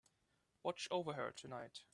Watch over her tonight.